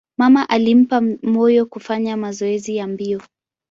Mama alimpa moyo kufanya mazoezi ya mbio.